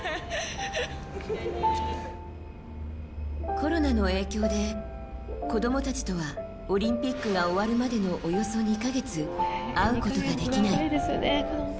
コロナの影響で子供たちとはオリンピックが終わるまでのおよそ２か月会うことができない。